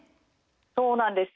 そうなんですよ。